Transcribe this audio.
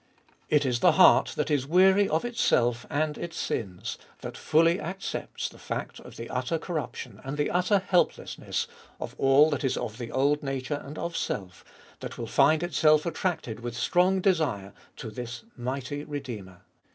It is the heart that is weary of itself and its sins, that fully accepts the fact of the utter corruption and the utter 78 Ebe Iboliest of ail helplessness of all that is of the old nature and of self, that will find itself attracted with strong desire to this mighty Redeemer.